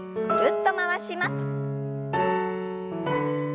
ぐるっと回します。